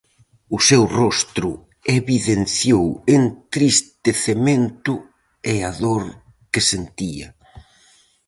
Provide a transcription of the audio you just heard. O seu rostro evidenciou entristecemento e a dor que sentía.